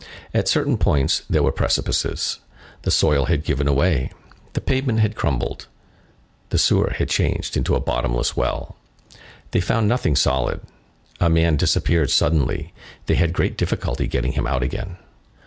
At certain points, there were precipices. The soil had given away, the pavement had crumbled, the sewer had changed into a bottomless well; they found nothing solid; a man disappeared suddenly; they had great difficulty in getting him out again.